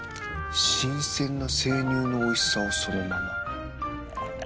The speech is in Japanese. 新鮮な生乳のおいしさをそのまま。